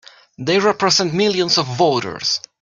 They represent millions of voters!